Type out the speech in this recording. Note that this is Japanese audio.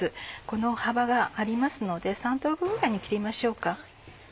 この幅がありますので３等分ぐらいに切りましょうか。